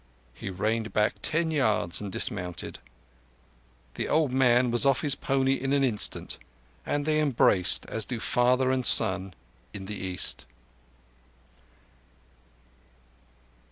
He reigned back ten yards and dismounted. The old man was off his pony in an instant, and they embraced as do father and son in the East.